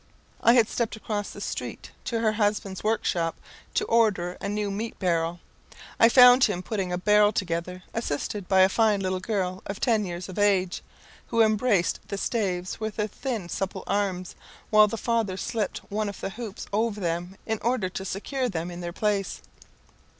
I had stepped across the street to her husband's workshop, to order a new meat barrel. I found him putting a barrel together, assisted by a fine little girl of ten years of age, who embraced the staves with her thin supple arms, while the father slipped one of the hoops over them in order to secure them in their place.